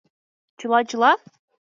Чыла-чыла?